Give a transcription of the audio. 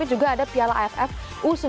juga ada piala aff u sembilan belas